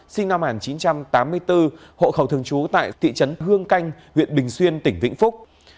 sinh năm một nghìn chín trăm tám mươi bốn hộ khẩu thường trú tại thị trấn hương canh huyện bình xuyên tỉnh vĩnh phúc